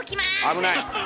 危ない。